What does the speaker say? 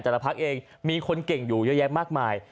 พักเองมีคนเก่งอยู่เยอะแยะมากมาย